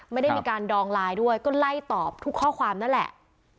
ไม่ได้มีการดองไลน์ด้วยก็ไล่ตอบทุกข้อความนั่นแหละ